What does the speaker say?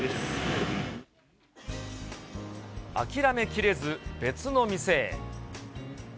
諦めきれず、別の店へ。